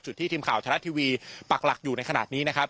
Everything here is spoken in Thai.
สุดที่ทีมข่าวชาติทวีปักหลักอยู่ในขณะนี้นะครับ